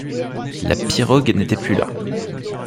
La pirogue n’était plus là